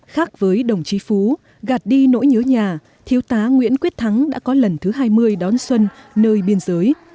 khác với đồng chí phú gạt đi nỗi nhớ nhà thiếu tá nguyễn quyết thắng đã có lần thứ hai mươi đón xuân nơi biên giới